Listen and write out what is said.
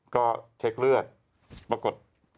ก็เช็คเลือดปรากฏ